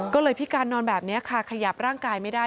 ก็เลยพิการนอนแบบนี้ค่ะขยับร่างกายไม่ได้